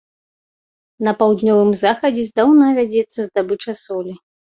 На паўднёвым захадзе здаўна вядзецца здабыча солі.